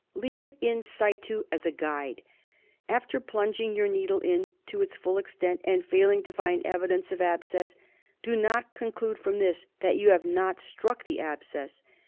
Leave it in situ as a guide. After plunging your needle in to its full extent and failing to find evidence of abscess, do not conclude from this that you have not struck the abscess.